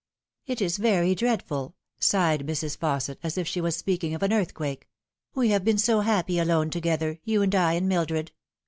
" It is very dreadful," sighed Mrs. Fausset, as if she was speaking of an earthquake. " We have been so happy alone to gether you and I and Mildred."